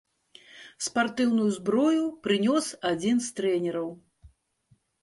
Спартыўную зброю прынёс адзін з трэнераў.